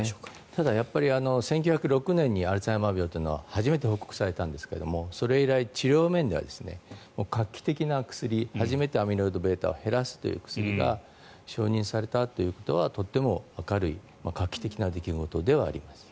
ただ、１９０６年にアルツハイマー病というのは初めて報告されたんですがそれ以来、治療面では画期的な薬、初めてアミロイドβを減らすという薬が承認されたということはとても明るい画期的な出来事ではあります。